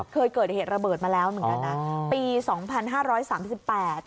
เคยเกิดเหตุระเบิดมาแล้วเหมือนกันนะปีสองพันห้าร้อยสามสิบแปด